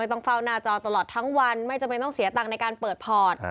ต้องเฝ้าหน้าจอตลอดทั้งวันไม่จำเป็นต้องเสียตังค์ในการเปิดพอร์ต